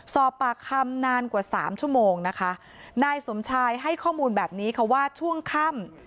สอบปากคำนานกว่าสามชั่วโมงนะคะนายสมชายให้ข้อมูลแบบนี้ค่ะว่าช่วงค่ำ